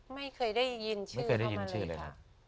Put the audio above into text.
ไม่เคยได้ยินชื่อของมันเลยค่ะ